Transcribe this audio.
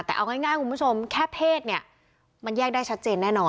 แต่เอาง่ายคุณผู้ชมแค่เพศเนี่ยมันแยกได้ชัดเจนแน่นอน